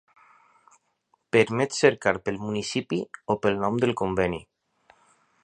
Permet cercar pel municipi o pel nom del conveni.